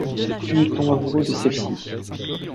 Puis il tombe amoureux de celle-ci.